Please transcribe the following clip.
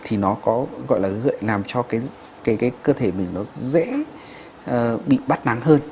thì nó có gọi là gợi làm cho cái cơ thể mình nó dễ bị bắt nắng hơn